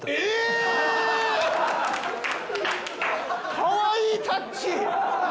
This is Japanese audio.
かわいいタッチ！